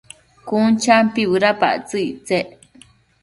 Cun champi bëdapactsëc ictsec